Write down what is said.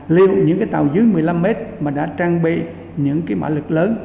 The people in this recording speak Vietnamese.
liệu những cái tàu dưới một mươi năm mét mà đã trang bị những cái mã lực lớn